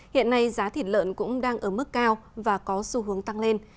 hiện nay giá thịt lợn cũng đang ở mức cao và có xu hướng tăng lên